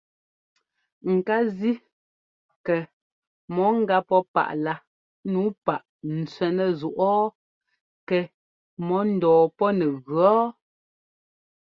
Ŋ ká zí kɛ mɔ gá pɔ́ páꞌlá nǔu páꞌ n tswɛ́nɛ́ zúꞌɔɔ kɛ mɔ ńdɔɔ pɔ́ nɛ gʉ ɔ́ɔ.